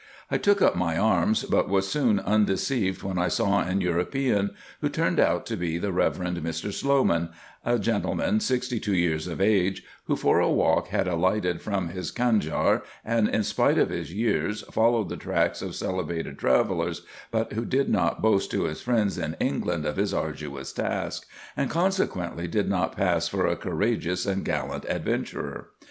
I took up my arms, but was soon un deceived when I saw an European, who turned out to be the Reverend Mr. Slowman, a gentleman sixty two years of age, who for a walk had alighted from his canjiar, and, in spite of his years, followed the tracks of celebrated travellers, but who did not boast to his friends in England of his arduous task, and consequently did not pass for a courageous and gallant adventurer.